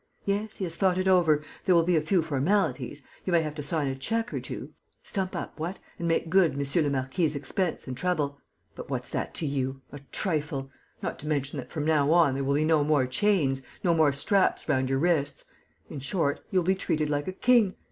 Yes, he has thought it over; there will be a few formalities: you may have to sign a cheque or two, stump up, what, and make good monsieur le marquis' expense and trouble. But what's that to you? A trifle! Not to mention that, from now on, there will be no more chains, no more straps round your wrists; in short, you will be treated like a king!